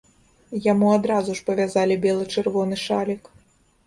Яму адразу ж павязалі бела-чырвоны шалік.